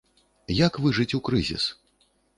Як выжыць у крызіс?